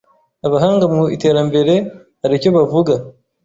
Abahanga mu iterambere haricyo bavuga